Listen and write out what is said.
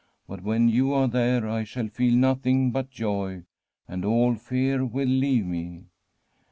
But when you are there I shall feel nothing but joy, and all fear will leave me.'